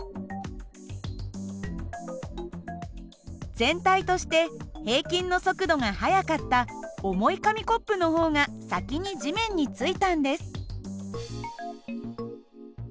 全体として平均の速度が速かった重い紙コップの方が先に地面についたんです。